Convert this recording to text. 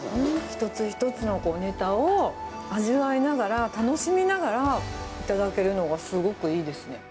一つ一つのネタを味わいながら、楽しみながら頂けるのがすごくいいですね。